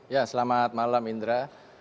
ya selamat malam indra